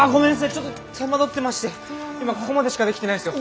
ちょっと手間取ってまして今ここまでしかできてないんですよ。